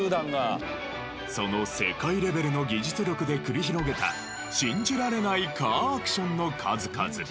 その世界レベルの技術力で繰り広げた信じられないカーアクションの数々。